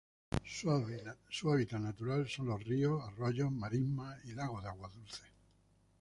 Su hábitat natural son los ríos, arroyos, marismas y lagos de agua dulce.